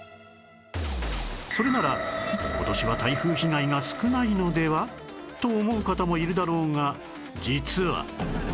それなら「今年は台風被害が少ないのでは？」と思う方もいるだろうが実は